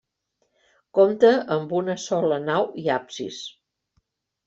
Compte amb una sola nau i absis.